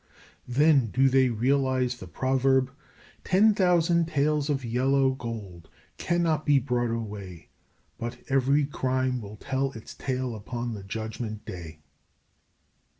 Then do they realize the proverb, "Ten thousand taels of yellow gold cannot be brought away: But every crime will tell its tale upon the judgment day."